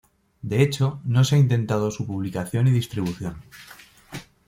De hecho, no se ha intentado su publicación y distribución.